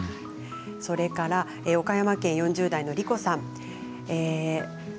それから岡山県４０代の方からです。